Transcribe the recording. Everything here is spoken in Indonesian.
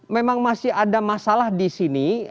memang masih ada masalah disini